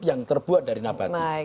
yang terbuat dari nabati